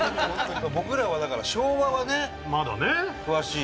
伊達：僕らは、だから昭和はね、詳しいですけど。